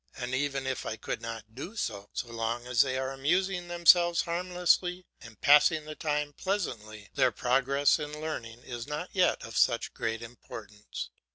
And even if I could not do so, so long as they are amusing themselves harmlessly and passing the time pleasantly, their progress in learning is not yet of such great importance.